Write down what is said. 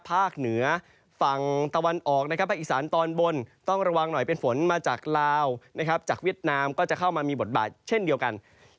ภาคเหนือฝั่งตะวันออกนะครับภาคอีสานตอนบนต้องระวังหน่อยเป็นฝนมาจากลาวนะครับจากเวียดนามก็จะเข้ามามีบทบาทเช่นเดียวกัน